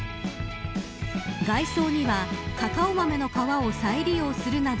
外装にはカカオ豆の皮を再利用するなど